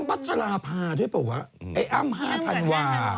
อั้มปัชราภาด้วยเปล่าวะไอ้อั้มห้าธันวา